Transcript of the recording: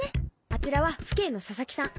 あちらは婦警の佐々木さん。